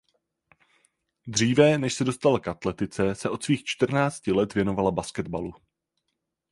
Dříve než se dostala k atletice se od svých čtrnácti let věnovala basketbalu.